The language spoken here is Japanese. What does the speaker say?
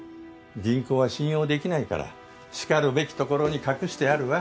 銀行は信用出来ないからしかるべきところに隠してあるわ。